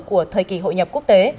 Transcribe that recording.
của thời kỳ hội nhập quốc tế